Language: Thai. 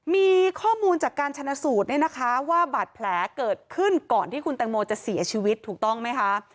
มีข้อมูลจากการชนะสูตรเนี่ยนะคะว่าบาดแผลเกิดขึ้นก่อนที่คุณแตงโมจะเสียชีวิตถูกต้องไหมคะ